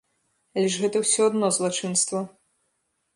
Але ж гэта ўсё адно злачынства!